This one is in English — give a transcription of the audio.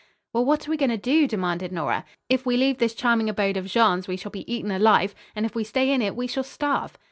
"Well, what are we going to do?" demanded Nora. "If we leave this charming abode of Jean's, we shall be eaten alive, and if we stay in it we shall starve."